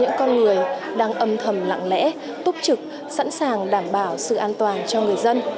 những con người đang âm thầm lặng lẽ túc trực sẵn sàng đảm bảo sự an toàn cho người dân